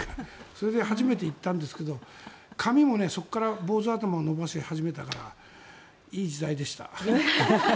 それで初めて行ったんですが髪もそこから坊主頭だったからいい時代でした。